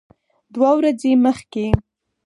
دوه ورځې مخکې